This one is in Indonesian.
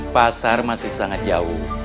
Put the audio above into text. pasar masih sangat jauh